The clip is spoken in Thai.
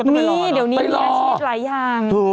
มีเดี๋ยวนี้มีอาชีพหลายอย่าง